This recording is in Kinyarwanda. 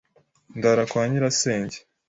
Ndara kwa nyirasenge.